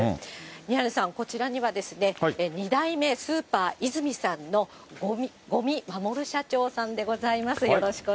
宮根さん、こちらには２代目、スーパーイズミさんの五味衛社長さんでございます。